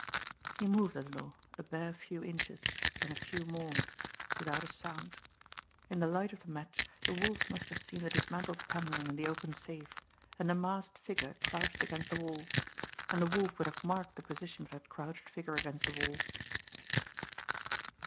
He moved a little, a bare few inches, then a few more without a sound. In the light of the match, the Wolf must have seen the dismantled panelling and the open safe, and a masked figure crouched against the wall and the Wolf would have marked the position of that crouched figure against the wall!